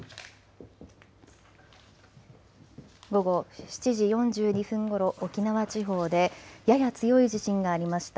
午後７時４２分ごろ、沖縄地方でやや強い地震がありました。